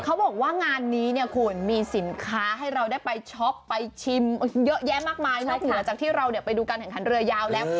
เขาบอกว่างานนี้เนี่ยคุณมีสินค้าให้เราได้ไปช็อปไปชิมเยอะแยะมากมายนอกเหนือจากที่เราไปดูการแข่งขันเรือยาวแล้ว